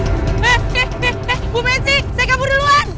eh eh eh eh bu mensi saya kabur duluan